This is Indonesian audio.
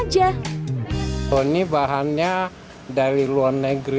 untuk penikmatinya bisa disantap dengan roti jadi campuran minuman soda atau ya disantap es krimnya saja